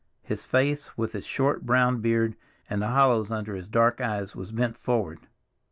His face, with its short brown beard and the hollows under his dark eyes, was bent forward.